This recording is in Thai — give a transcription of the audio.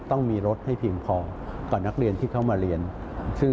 ต้องมีรถให้เพียงพอต่อนักเรียนที่เข้ามาเรียนซึ่ง